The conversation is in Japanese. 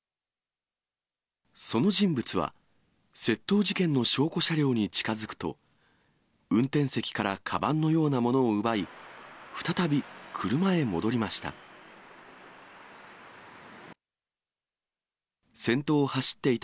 その人物は、窃盗事件の証拠車両に近づくと、運転席からかばんのようなものを奪い、再び車へ戻りました。